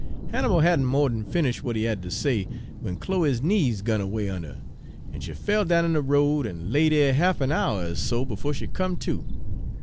"Hannibal hadn' mo' d'n finish' w'at he had ter say, w'en Chloe's knees gun 'way unner her, en she fell down in de road, en lay dere half a' hour er so befo' she come to.